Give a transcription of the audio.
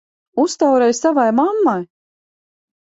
Uztaurē savai mammai!